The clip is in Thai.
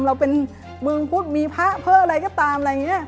เราเป็นเมืองพุทธมีพระเพิ่ออะไรก็ตาม